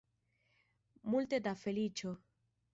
Multe da feliĉo.